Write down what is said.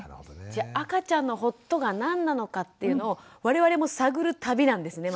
じゃあ赤ちゃんのほっとが何なのかっていうのを我々も探る旅なんですね